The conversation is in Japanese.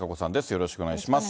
よろしくお願いします。